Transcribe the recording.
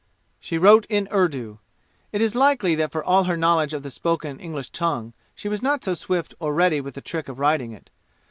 She wrote in Urdu. It is likely that for all her knowledge of the spoken English tongue she was not so swift or ready with the trick of writing it.